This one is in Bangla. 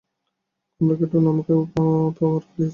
কমলা ক্রিপ্টোনাইটটা আমাকেও পাওয়ার দিয়েছে।